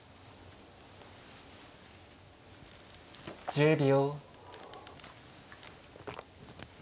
１０秒。